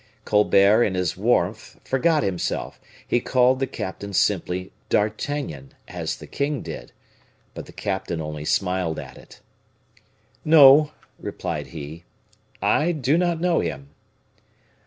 Colbert, in his warmth, forgot himself; he called the captain simply D'Artagnan, as the king did. But the captain only smiled at it. "No," replied he, "I do not know him."